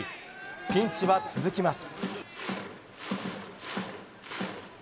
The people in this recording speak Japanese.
ピンチは続きます。